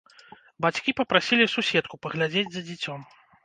Бацькі папрасілі суседку паглядзець за дзіцем.